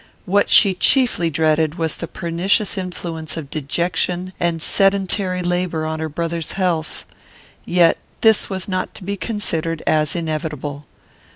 What she chiefly dreaded was the pernicious influence of dejection and sedentary labour on her brother's health. Yet this was not to be considered as inevitable.